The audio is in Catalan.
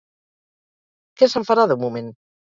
Què se'n farà, de moment?